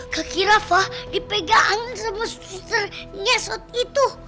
kekirafah dipegangin sama susar nyesot itu